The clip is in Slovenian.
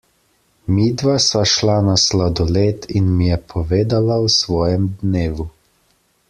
Midva sva šla na sladoled in mi je povedala o svojem dnevu.